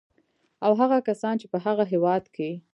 او هغه کسان چې په هغه هېواد کې